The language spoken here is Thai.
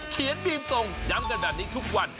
เขียนบีมทรงย้ำกันแบบนี้ทุกวัน